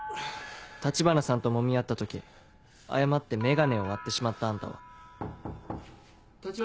橘さんともみ合った時誤って眼鏡を割ってしまったあんたは。